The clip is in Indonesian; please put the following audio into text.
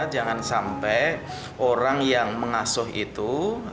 jangan sampai orang yang mengasuh itu